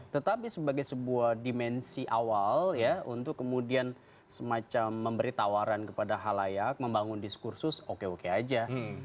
tetapi sebagai sebuah dimensi awal ya untuk kemudian semacam memberi tawaran kepada halayak membangun diskursus oke oke aja